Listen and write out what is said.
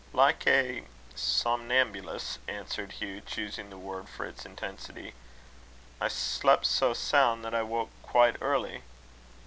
"Like a somnambulist," answered Hugh, choosing the word for its intensity. "I slept so sound that I woke quite early."